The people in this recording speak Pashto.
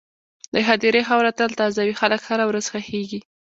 د هدیرې خاوره تل تازه وي، خلک هره ورځ ښخېږي.